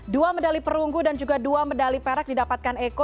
dua medali perunggu dan juga dua medali perak didapatkan eko